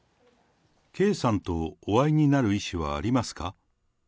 圭さんとお会いになる意思はありますか。